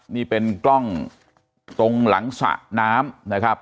นี่เป็นกล้องตรงหลังสระน้ำนะครับ